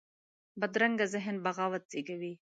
بدرنګه ذهن بغاوت زېږوي